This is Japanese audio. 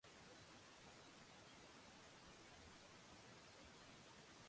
でも、誰も彼を連れ戻そうとは思わなかった